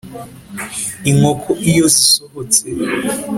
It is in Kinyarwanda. inkoko iyo zisohotse